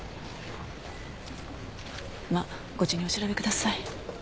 まあご自由にお調べください。